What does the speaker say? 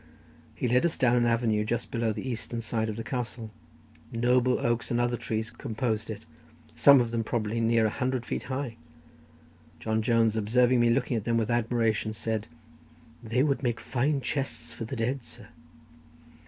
He led us down an avenue just below the eastern side of the castle; noble oaks and other trees composed it, some of them probably near a hundred feet high; John Jones observing me looking at them with admiration, said: "They would make fine chests for the dead, sir."